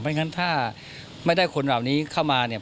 เพราะฉะนั้นถ้าไม่ได้คนเหล่านี้เข้ามาเนี่ย